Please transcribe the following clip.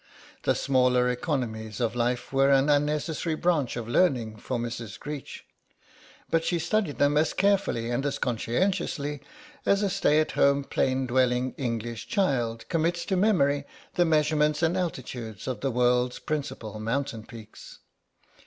The smaller economies of life were an unnecessary branch of learning for Mrs. Greech, but she studied them as carefully and conscientiously as a stay at home plain dwelling English child commits to memory the measurements and altitudes of the world's principal mountain peaks.